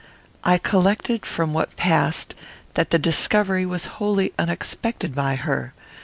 I collected from what passed that the discovery was wholly unexpected by her.